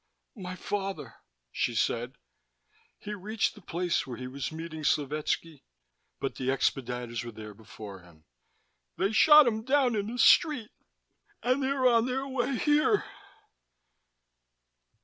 "My father," she said. "He reached the place where he was meeting Slovetski, but the expediters were there before him. They shot him down in the street. And they are on their way here."